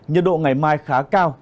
nhiệt độ ngày mai khá cao